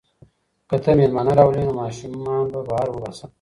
که ته مېلمانه راولې نو ماشومان به بهر وباسم.